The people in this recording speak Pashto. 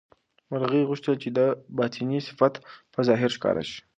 مرغۍ غوښتل چې د ده باطني صفت په ظاهر ښکاره شي.